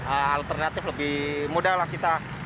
alternatif lebih mudah lah kita